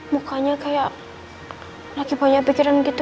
mukanya kayak lagi banyak pikiran gitu